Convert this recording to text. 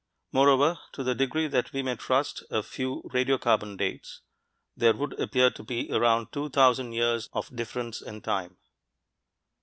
Moreover to the degree that we may trust a few radiocarbon dates there would appear to be around two thousand years of difference in time.